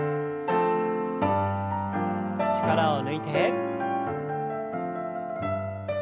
力を抜いて。